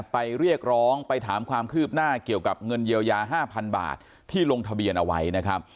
เรียกร้องไปถามความคืบหน้าเกี่ยวกับเงินเยียวยา๕๐๐๐บาทที่ลงทะเบียนเอาไว้นะครับ